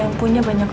yang punya banyak